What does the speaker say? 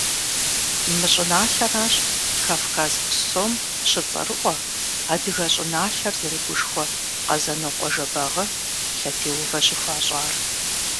Мы щӏыналъэращ Кавказ псом щыцӏэрыӏуэ, адыгэ щӏыналъэр зэрыгушхуэ Къэзэнокъуэ Жэбагъы лъэтеувэ щыхуащӏар.